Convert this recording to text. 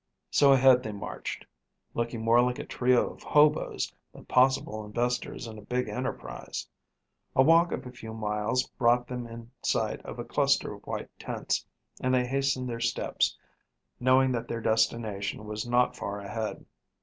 So ahead they marched, looking more like a trio of hoboes than possible investors in a big enterprise. A walk of a few miles brought them in sight of a cluster of white tents, and they hastened their steps, knowing that their destination was not far ahead.